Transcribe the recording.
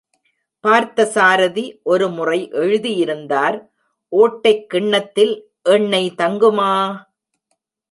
பார்த்த சாரதி ஒருமுறை எழுதியிருந்தார் ஓட்டைக் கிண்ணத்தில் எண்ணெய் தங்குமா?